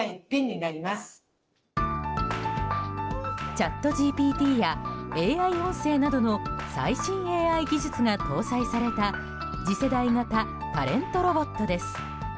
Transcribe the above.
ＣｈａｔＧＰＴやＡＩ音声などの最新ＡＩ技術が搭載された次世代型タレントロボットです。